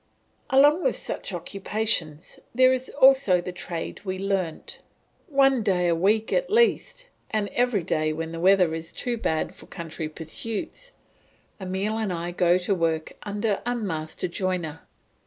Along with such occupations there is also the trade we learnt. One day a week at least, and every day when the weather is too bad for country pursuits, Emile and I go to work under a master joiner.